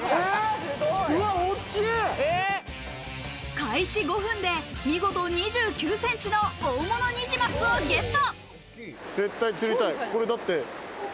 開始５分で見事２９ｃｍの大物ニジマスをゲット。